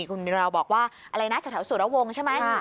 คุณนิราวบอกว่าอะไรนะแถวสุรวงใช่ไหม